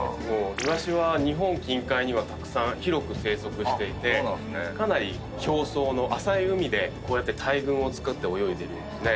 イワシは日本近海にはたくさん広く生息していてかなり表層の浅い海でこうやって大群をつくって泳いでるんですね。